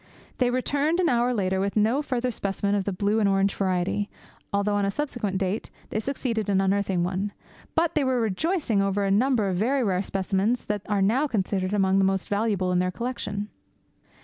They returned an hour later with no further specimen of the blue and orange variety, although on a subsequent date they succeeded in unearthing one, but they were rejoicing over a number of very rare specimens that are now considered among the most valuable in their collection.